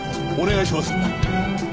お願いします。